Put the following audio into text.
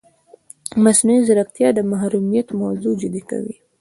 مصنوعي ځیرکتیا د محرمیت موضوع جدي کوي.